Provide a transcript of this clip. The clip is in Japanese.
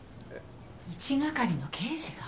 １係の刑事が？